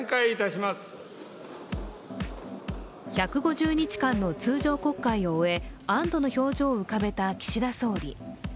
１５０日間の通常国会を終え安どの表情を浮かべた岸田総理。